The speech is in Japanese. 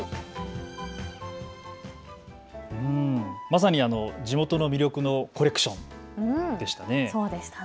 まさに地元の魅力のコレクションでしたね。